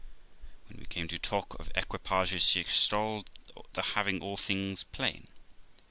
When we came to talk of equipages, she extolled the having all things plain.